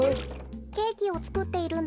ケーキをつくっているんだけど。